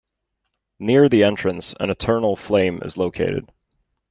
Near the entrance an eternal flame is located.